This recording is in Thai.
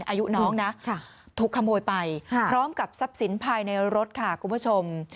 อายุน้องนะถูกขโมยไปพร้อมกับทรัพย์สินภายในรถค่ะคุณผู้ชม